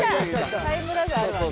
タイムラグあるわな。